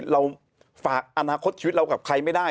เราฝากอนาคตชีวิตเรากับใครไม่ได้